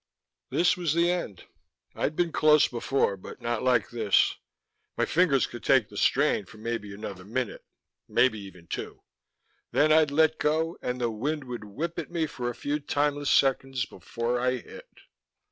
This was the end. I'd been close before, but not like this. My fingers could take the strain for maybe another minute, maybe even two; then I'd let go, and the wind would whip at me for a few timeless seconds, before I hit....